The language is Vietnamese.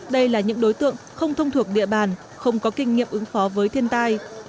đây là những đối tượng không thông thuộc địa bàn không có kinh nghiệm ứng phó với thiên tai